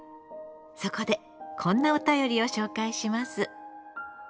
そこでこんなお便りを紹介します。